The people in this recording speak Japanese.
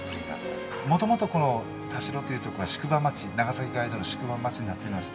もともとこの田代というとこは長崎街道の宿場町になっていました。